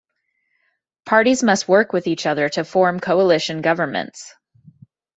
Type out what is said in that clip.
Parties must work with each other to form coalition governments.